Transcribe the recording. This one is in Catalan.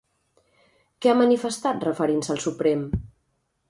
Què ha manifestat referint-se al Suprem?